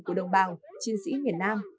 của đồng bào chiến sĩ miền nam